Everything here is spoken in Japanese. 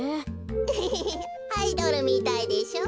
エヘヘヘアイドルみたいでしょ。